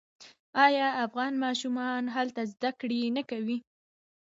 آیا افغان ماشومان هلته زده کړې نه کوي؟